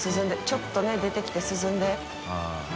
ちょっとね出てきて涼んで。